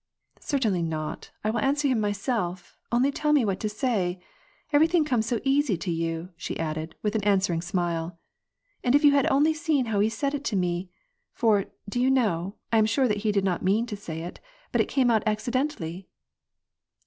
"Certainly not, I will answer him myself, only tell me what to say. Everything comes so easy to you," she added, with an answering smile. " And if you had only seen how he said it to me ! For, do you know, I am sure that he did not mean to say it, but it came out accidentally."